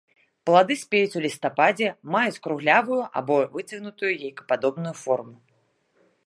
Плады спеюць у лістападзе, маюць круглявую або выцягнутую яйкападобную форму.